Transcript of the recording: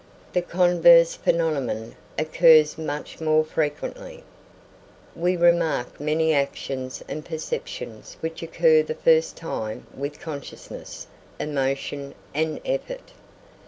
The converse phenomenon occurs much more frequently. We remark many actions and perceptions which occur the first time with consciousness, emotion, and effort.